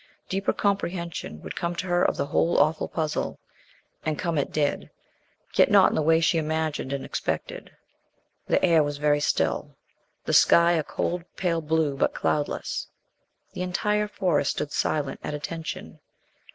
Deeper comprehension would come to her of the whole awful puzzle. And come it did, yet not in the way she imagined and expected. The air was very still, the sky a cold pale blue, but cloudless. The entire Forest stood silent, at attention.